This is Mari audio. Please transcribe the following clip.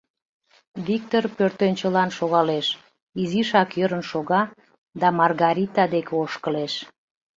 Виктор пӧртӧнчылан шогалеш, изишак ӧрын шога да Маргарита дек ошкылеш.